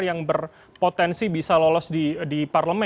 yang berpotensi bisa lolos di parlemen dua ribu dua puluh dua